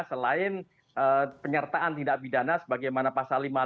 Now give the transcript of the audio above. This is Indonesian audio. selain penyertaan tindak bidana sebagaimana pasal lima puluh lima maupun pasal lima puluh enam nya itu